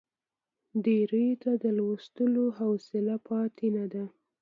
ډېریو ته د لوستلو حوصله پاتې نه ده.